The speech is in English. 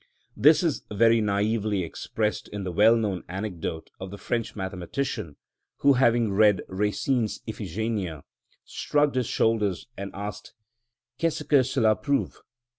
This is very naïvely expressed in the well known anecdote of the French mathematician, who, after having read Racine's "Iphigenia," shrugged his shoulders and asked, "_Qu'est ce que cela prouve?